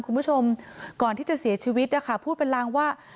คุณผู้ชมก่อนที่จะเสียชีวิตนะคะพูดเป็นลางว่า